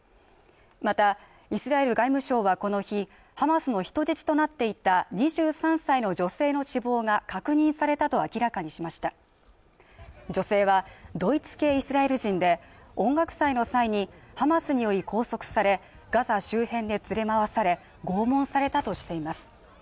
またイスラエル外務省はこの日ハマスの人質となっていた２３歳の女性の死亡が確認されたと明らかにしました女性はドイツ系イスラエル人で音楽祭の際にハマスにより拘束されガザ周辺で連れ回され拷問されたとしています